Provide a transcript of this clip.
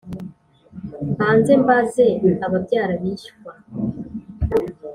mbanze mbaze ababyara-bishywa,